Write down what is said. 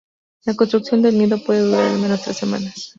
La construcción del nido puede durar al menos tres semanas.